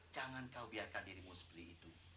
jangan kau biarkan dirimu seperti itu